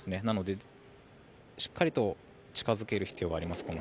なので、しっかりと近付ける必要があります